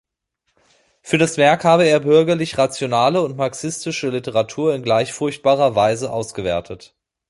Für das Werk habe er bürgerlich-rationale und marxistische Literatur in gleich fruchtbarer Weise ausgewertet.